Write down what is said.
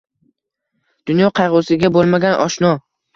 Dunyo qayg’usiga bo’lmagan oshno